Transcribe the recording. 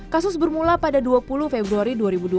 kasus bermula pada dua puluh februari dua ribu dua puluh